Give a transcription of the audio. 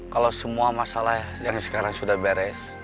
kalau semua masalah yang sekarang sudah beres